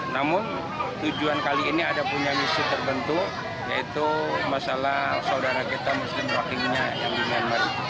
namun tujuan kali ini ada punya misi terbentuk yaitu masalah saudara kita muslim wakilnya yang di myanmar